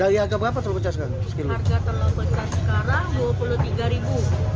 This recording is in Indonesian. harga telur pecah sekarang rp dua puluh tiga